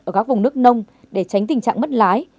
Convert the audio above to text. ở các vùng nước nông để tránh tình trạng mất lái